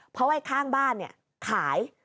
เพราะว่าไอ้ข้างบ้านเนี่ยขาย